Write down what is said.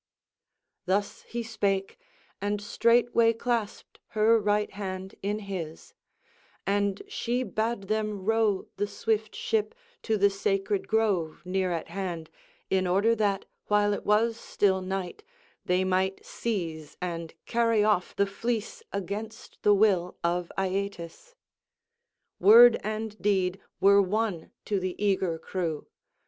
Thus he spake, and straightway clasped her right hand in his; and she bade them row the swift ship to the sacred grove near at hand, in order that, while it was still night, they might seize and carry off the fleece against the will of Aeetes. Word and deed were one to the eager crew.